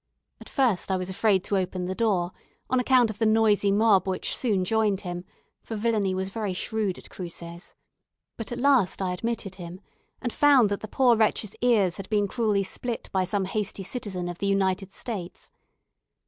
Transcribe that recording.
At first I was afraid to open the door, on account of the noisy mob which soon joined him, for villainy was very shrewd at Cruces; but at last I admitted him, and found that the poor wretch's ears had been cruelly split by some hasty citizen of the United States.